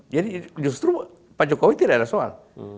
jadi justru pak jokowi tidak ada soal